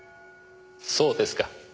そうですか。